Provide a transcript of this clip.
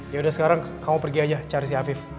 yaudah sekarang kamu pergi aja cari si afif